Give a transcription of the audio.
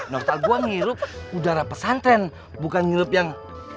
nostal gua ngirup udara pesantren bukan ngirup yang